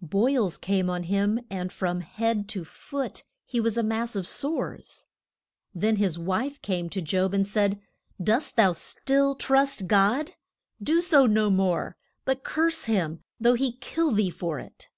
Boils came on him and from head to foot he was a mass of sores. Then his wife came to Job and said, Dost thou still trust God? Do so no more, but curse him, though he kill thee for it.